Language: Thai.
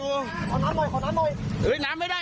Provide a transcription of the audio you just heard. ขอน้ำหน่อย